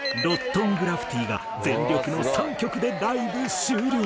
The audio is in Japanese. ＲＯＴＴＥＮＧＲＡＦＦＴＹが全力の３曲でライブ終了。